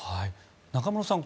中室さん